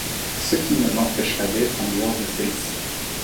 Ce qui ne l'empêche pas d'être en dehors de celle-ci.